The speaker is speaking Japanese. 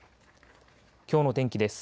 きょうの天気です。